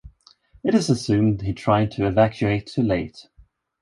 It is assumed he tried to evacuate too late.